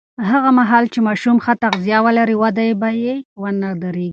هغه مهال چې ماشوم ښه تغذیه ولري، وده به یې ونه درېږي.